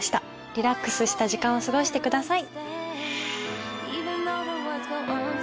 リラックスした時間を過ごしてください。